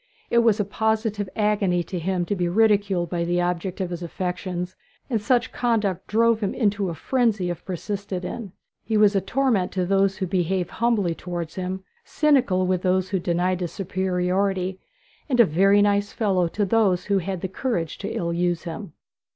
It was a positive agony to him to be ridiculed by the object of his affections, and such conduct drove him into a frenzy if persisted in. He was a torment to those who behaved humbly towards him, cynical with those who denied his superiority, and a very nice fellow towards those who had the courage to ill use him.